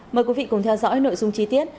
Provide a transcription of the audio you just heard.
mời quý vị cùng theo dõi nội dung chi tiết